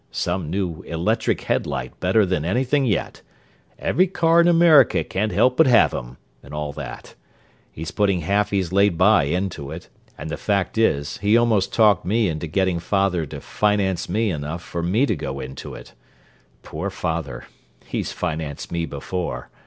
Some new electric headlight better than anything yet—'every car in America can't help but have 'em,' and all that. He's putting half he's laid by into it, and the fact is, he almost talked me into getting father to 'finance me' enough for me to go into it. Poor father! he's financed me before!